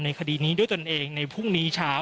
คดีนี้ด้วยตนเองในพรุ่งนี้เช้า